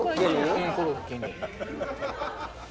うんコロッケに。